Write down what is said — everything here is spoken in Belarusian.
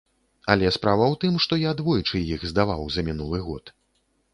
Але справа ў тым, што я двойчы іх здаваў за мінулы год.